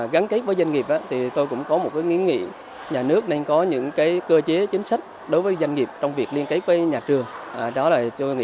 gắn kết với doanh nghiệp tôi cũng có một nghĩa nghĩa nhà nước nên có những cơ chế chính sách đối với doanh nghiệp trong việc liên kết với nhà trường